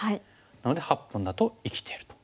なので８本だと生きてる。